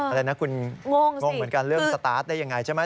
อะไรนะคุณงงเหมือนกันเรื่องสตาร์ทได้ยังไงใช่ไหม